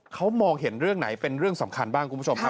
เขามองเห็นเรื่องไหนเป็นเรื่องสำคัญบ้างคุณผู้ชมครับ